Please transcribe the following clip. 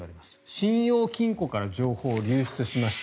信用金庫から情報が流出しました。